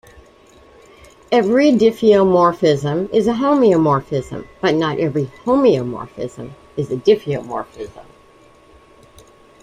Every diffeomorphism is a homeomorphism, but not every homeomorphism is a diffeomorphism.